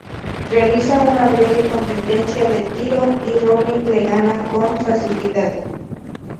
Realizan una breve competencia de tiro, y Robin le gana con facilidad.